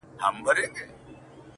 د محبت دار و مدار کي خدايه -